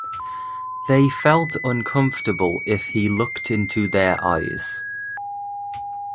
They felt uncomfortable if he looked into their eyes.